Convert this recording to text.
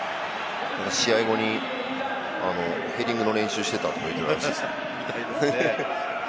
試合後にヘディングの練習してたとか言ってましたよね。